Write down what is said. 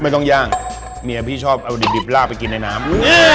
ไม่ต้องย่างเมียพี่ชอบเอาดิบดิบลากไปกินในน้ำ